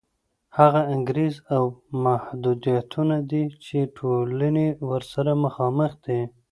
هغه انګېزې او محدودیتونه دي چې ټولنې ورسره مخ دي.